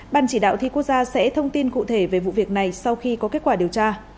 ban chỉ đạo thi quốc gia sẽ thông tin cụ thể về vụ việc này sau khi có kết quả điều tra